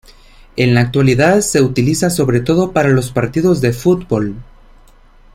En la actualidad, se utiliza sobre todo para los partidos de fútbol.